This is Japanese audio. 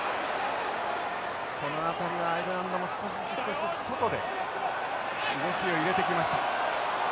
この辺りはアイルランドも少しずつ少しずつ外で動きを入れてきました。